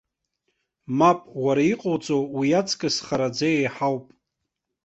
Мап, уара иҟоуҵо уиаҵкыс хараӡа еиҳауп.